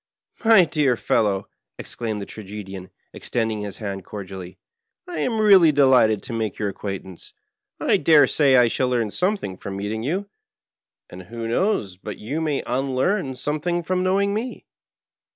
My dear fellow,'' exclaimed the Tragedian, extending his hand cordially, " I am really delighted to make your acquaintance ; I dare say I shall learn something from meeting you, and who knows but you may unlearn some thing from knowing me.